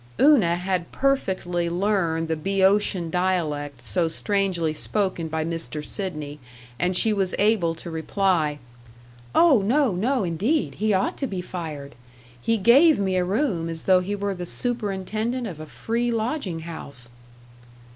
Una had perfectly learned the Boeotian dialect so strangely spoken by Mr. Sidney, and she was able to reply: "Oh no, no indeed! He ought to be fired. He gave me a room as though he were the superintendent of a free lodging house."